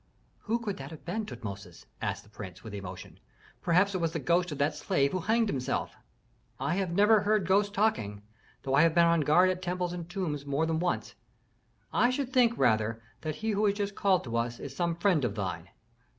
"Who could that have been, Tutmosis?" asked the prince, with emotion. "Perhaps it was the ghost of that slave who hanged himself?" "I have never heard ghosts talking, though I have been on guard at temples and tombs more than once. I should think, rather, that he who has just called to us is some friend of thine."